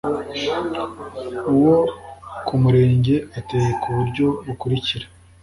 uwo ku Murenge ateye ku buryo bukurikira